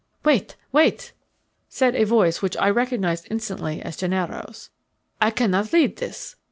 "Wait, wait," said a voice which I recognized instantly as Gennaro's. "I cannot read this.